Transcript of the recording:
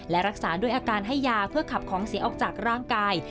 และรักษาด้วยอาการให้ยาเพื่อขับของเสียออกจากร่างกาย